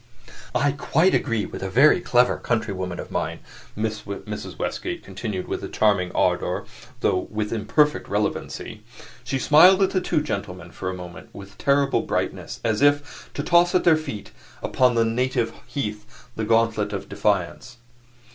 "I quite agree with a very clever countrywoman of mine," Mrs. Westgate continued with charming ardor, though with imperfect relevancy. She smiled at the two gentlemen for a moment with terrible brightness, as if to toss at their feet upon their native heath the gauntlet of defiance.